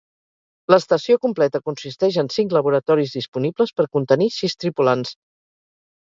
L'estació completa consisteix en cinc laboratoris disponibles per contenir sis tripulants.